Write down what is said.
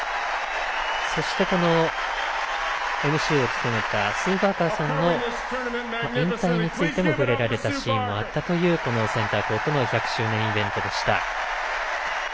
そして、ＭＣを務めたスー・バーカーさんの引退についてもふれられたシーンもあるというセンターコートでの１００周年イベントでした。